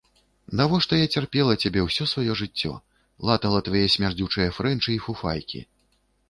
Навошта я цярпела цябе ўсё сваё жыццё, латала твае смярдзючыя фрэнчы і фуфайкі.